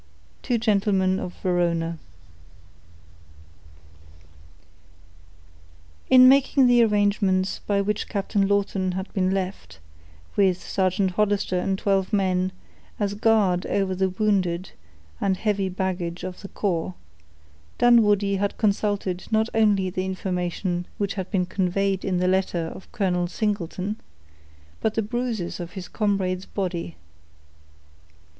—Two Gentlemen of Verona. In making the arrangements by which Captain Lawton had been left, with Sergeant Hollister and twelve men, as a guard over the wounded, and heavy baggage of the corps, Dunwoodie had consulted not only the information which had been conveyed in the letter of Colonel Singleton, but the bruises of his comrade's body.